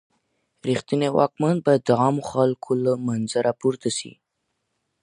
رښتنی واکمن بايد د عامو خلګو له منځه راپورته سي.